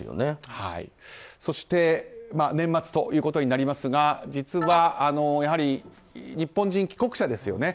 そして、年末ということになりますが実は日本人帰国者ですよね